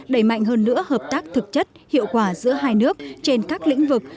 đẩy mạnh hơn nữa hợp tác thực chất hiệu quả giữa hai nước trên các lĩnh vực